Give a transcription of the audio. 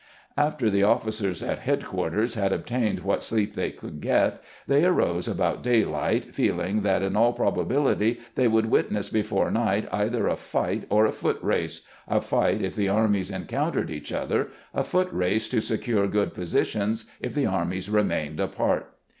After the officers at headquarters had obtained what sleep they could get, they arose about daylight, feeling that in all probability they would witness before night either a fight or a foot race — a fight if the armies en countered each other, a foot race to secure good positions if the armies remained apart.